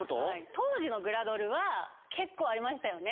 当時のグラドルは結構ありましたよね？